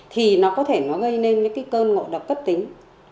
thì nó có thể nó gây nên những cái cơn ngộ độc cấp tính